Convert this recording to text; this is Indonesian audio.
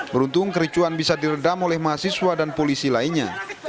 beruntung kericuan bisa diredam oleh mahasiswa dan polisi lainnya